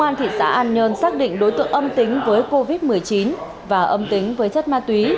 công an thị xã an nhơn xác định đối tượng âm tính với covid một mươi chín và âm tính với chất ma túy